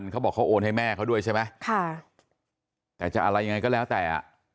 เขาบอกเขาโอนให้แม่เขาด้วยใช่ไหมค่ะแต่จะอะไรยังไงก็แล้วแต่อ่ะ